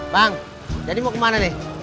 bang jadi mau kemana nih